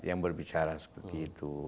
yang berbicara seperti itu